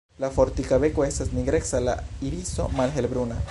La fortika beko estas nigreca, la iriso malhelbruna.